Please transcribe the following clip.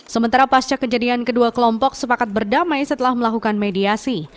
sementara pasca kejadian kedua kelompok sepakat berdamai setelah melakukan mediasi